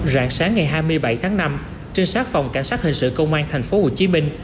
rạng sáng ngày hai mươi bảy tháng năm trinh sát phòng cảnh sát hình sự công an thành phố hồ chí minh